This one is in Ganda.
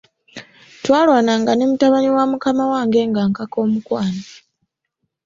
Twalwanagana ne mutabani wa mukama wange nga ankaka omukwano.